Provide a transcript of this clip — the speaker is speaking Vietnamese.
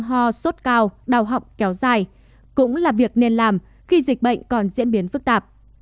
ho sốt cao đào học kéo dài cũng là việc nên làm khi dịch bệnh còn diễn biến phức tạp